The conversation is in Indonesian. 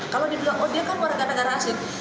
kalau dibilang oh dia kan warga negara asing